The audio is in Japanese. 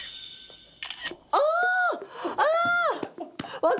ああ！